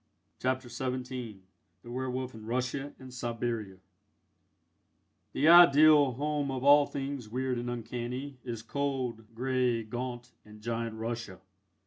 CHAPTER XVII THE WERWOLF IN RUSSIA AND SIBERIA The ideal home of all things weird and uncanny is cold, grey, gaunt, and giant Russia.